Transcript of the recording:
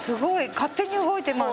勝手に動いてます。